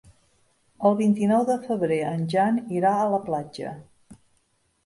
El vint-i-nou de febrer en Jan irà a la platja.